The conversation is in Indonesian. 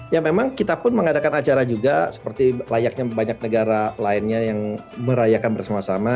ya memang kita pun mengadakan acara juga seperti layaknya banyak negara lainnya yang merayakan bersama sama